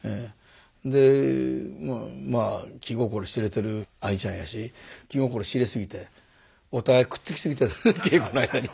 でまあ気心知れてる愛ちゃんやし気心知れ過ぎてお互いくっつき過ぎてる稽古の間に。